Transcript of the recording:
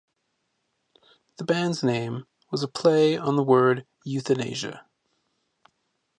The band's name was a play on the word euthanasia.